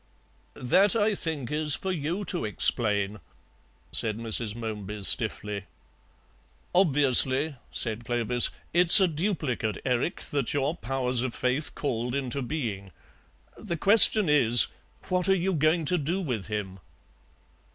"That, I think, is for you to explain," said Mrs. Momeby stiffly. "Obviously," said Clovis, "it's a duplicate Erik that your powers of faith called into being. The question is: What are you going to do with him?"